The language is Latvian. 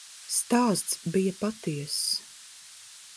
Stāsts bija patiess.